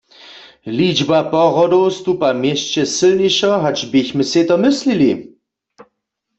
Ličba porodow stupa w měsće sylnišo hač běchmy sej to myslili.